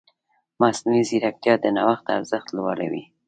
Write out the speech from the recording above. مصنوعي ځیرکتیا د نوښت ارزښت لوړوي.